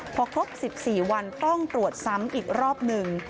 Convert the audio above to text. พอครบ๑๔วันต้องตรวจซ้ำอีกรอบหนึ่ง